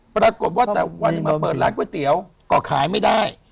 ปรากฏว่าแต่วันหนึ่งมาเปิดร้านก๋วยเตี๋ยวก็ขายไม่ได้